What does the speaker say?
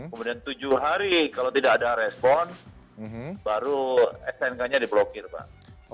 kemudian tujuh hari kalau tidak ada respon baru stnk nya di blokir pak